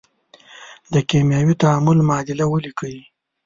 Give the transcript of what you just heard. د کیمیاوي تعامل معادله ولیکئ.